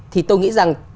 thì tôi nghĩ rằng